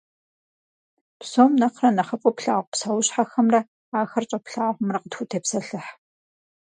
Псом нэхърэ нэхъыфӏу плъагъу псэущхьэхэмрэ ахэр щӏэплъагъумрэ къытхутепсэлъыхь.